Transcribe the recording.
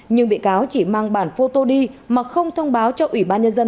nhưng bị cáo chỉ mang bản phô tô đi mà không thông báo cho ủy ban nhân dân